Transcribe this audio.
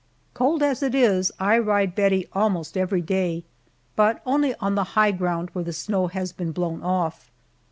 Cold as it is, I ride Bettie almost every day, but only on the high ground where the snow has been blown off.